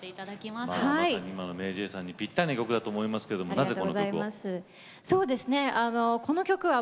まさに今のＭａｙＪ．さんにぴったりの曲だと思いますけどなぜ、この曲を？